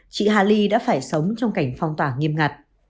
chị hà ly đã phải sống trong cảnh phong tỏa nghiêm ngặt